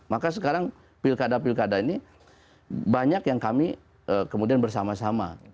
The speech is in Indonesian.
maka sekarang pilkada pilkada ini banyak yang kami kemudian bersama sama